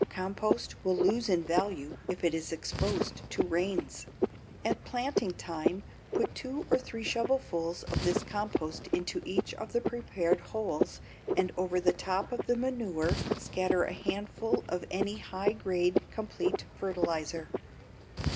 Compost will lose in value if it is exposed to rains. At planting time, put two or three shovelfuls of this compost into each of the prepared holes, and over the top of the manure scatter a handful of any high grade complete fertilizer.